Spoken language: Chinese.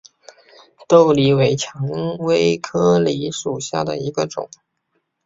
豆梨为蔷薇科梨属下的一个种。